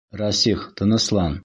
Рәсих, тыныслан!